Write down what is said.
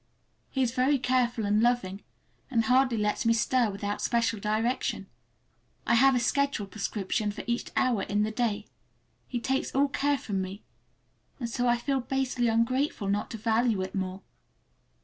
He is very careful and loving, and hardly lets me stir without special direction. I have a schedule prescription for each hour in the day; he takes all care from me, and so I feel basely ungrateful not to value it more.